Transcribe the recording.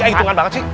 ah hitungan banget sih